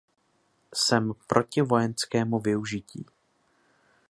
Jsem proti vojenskému využití.